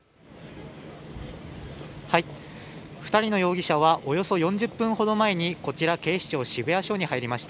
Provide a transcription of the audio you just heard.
２人の容疑者はおよそ４０分ほど前にこちら警視庁渋谷署に入りました。